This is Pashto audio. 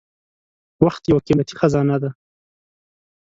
• وخت یو قیمتي خزانه ده.